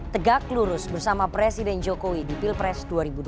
tegak lurus bersama presiden jokowi di pilpres dua ribu dua puluh